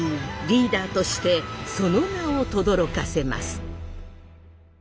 リーダーとしてその名をとどろかせます。